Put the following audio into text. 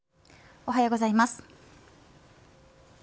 おはようございます。